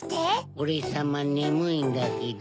オレさまねむいんだけど。